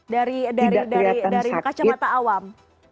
dari kacamata awam